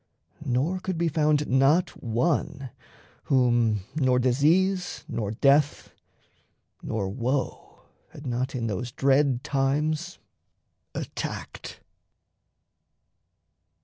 Nor could be found not one, whom nor disease Nor death, nor woe had not in those dread times Attacked.